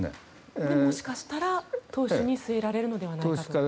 もしかしたら党首に据えられるのではないか。